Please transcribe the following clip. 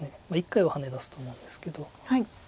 １回はハネ出すと思うんですけど。